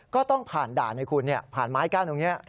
ก็ต้องผ่านด่านให้คุณผ่านไม้กั้นตรงนี้